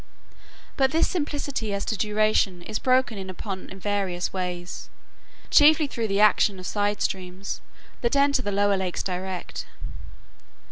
But this simplicity as to duration is broken in upon in various ways, chiefly through the action of side streams that enter the lower lakes direct.